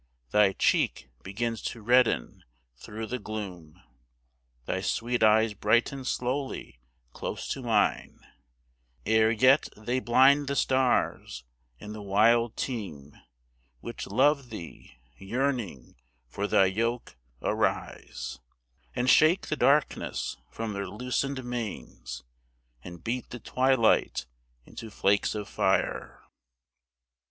Thy cheek begins to redden thro' the gloom, Thy sweet eyes brighten slowly close to mine, Ere yet they blind the stars, and the wild team Which love thee, yearning for thy yoke, arise, And shake the darkness from their loosen'd manes, And beat the twilight into flakes of fire.